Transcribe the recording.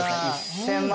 １０００万！